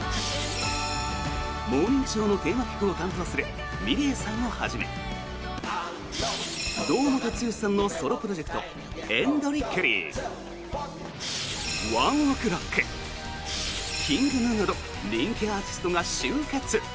「モーニングショー」のテーマ曲を担当するｍｉｌｅｔさんをはじめ堂本剛さんのソロプロジェクトＥＮＤＲＥＣＨＥＲＩＯＮＥＯＫＲＯＣＫＫｉｎｇＧｎｕなど人気アーティストが集結。